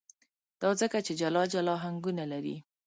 دا ځکه چې جلا جلا آهنګونه لري.